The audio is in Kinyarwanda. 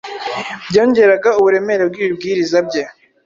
byongeraga uburemere bw’ibibwiriza bye.